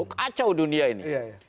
kacau dunia ini